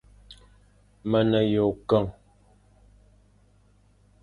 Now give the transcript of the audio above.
Me ne yʼôkeñ,